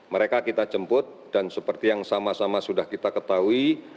mereka kita jemput dan seperti yang sama sama sudah kita ketahui